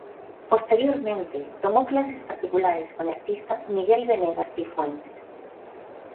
Posteriormente tomó clases particulares con el artista Miguel Venegas Cifuentes.